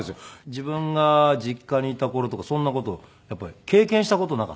自分が実家にいた頃とかそんな事やっぱり経験した事なかったから。